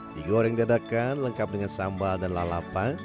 digoreng dadakan lengkap dengan sambal dan lalapa